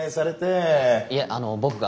いえあの僕が。